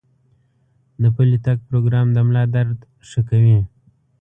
د پلي تګ پروګرام د ملا درد ښه کوي.